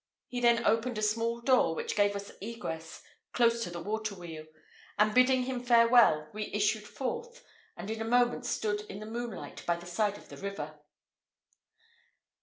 He then opened a small door which gave us egress close to the water wheel; and bidding him farewell, we issued forth, and in a moment stood in the moonlight by the side of the river.